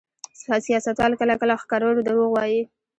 سیاستوال کله کله ښکرور دروغ وايي.